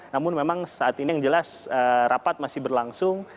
namun memang saat ini yang jelas rapat masih berlangsung